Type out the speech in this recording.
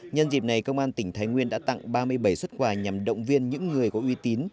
nhân dịp này công an tỉnh thái nguyên đã tặng ba mươi bảy xuất quà nhằm động viên những người có uy tín